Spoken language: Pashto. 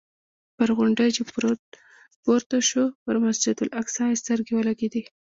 پر غونډۍ چې پورته شو پر مسجد الاقصی یې سترګې ولګېدې.